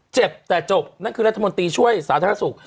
เจ็บแต่จบนั่นคือรัฐมนตรีช่วยสาธารณสุข